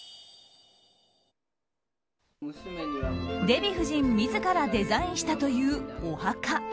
デヴィ夫人自らデザインしたというお墓。